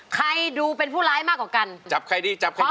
ใครดูเป็นผู้ร้ายมากกว่ากัน